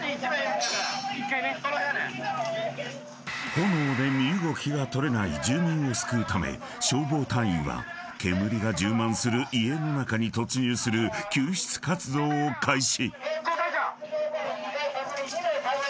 ［炎で身動きが取れない住民を救うため消防隊員は煙が充満する家の中に突入する救出活動を開始］